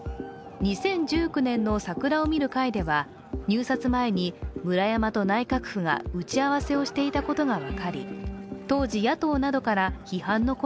２０１９年の桜を見る会では入札前にムラヤマと内閣府が打ち合わせをしていたことが分かり